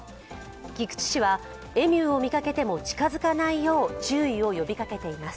菊池市はエミューを見かけても近づかないよう注意を呼びかけています。